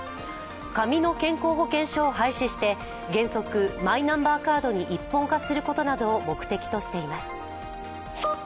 紙の健康保険証を廃止して、原則マイナンバーカードに一本化することなどを目的としています。